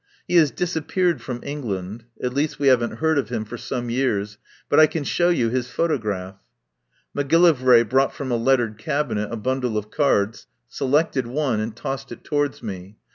He has disappeared from Eng land — at least we haven't heard of him for some years, but I can show you his photo graph." Macgillivray took from a lettered cabinet a bundle of cards, selected one and tossed it towards me.